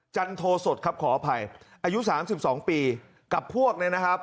จันโทสดครับขออภัยอายุ๓๒ปีกับพวกเนี่ยนะครับ